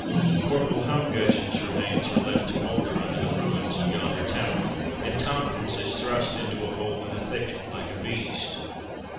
"Corporal Humgudgeon's remains are left to moulder under the ruins of yonder tower, and Tomkins is thrust into a hole in a thicket like a beast."